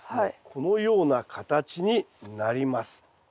このような形になります。